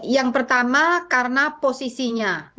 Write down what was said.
yang pertama karena posisinya